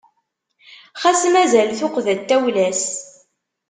Xas mazal tuqqda n tawla-s.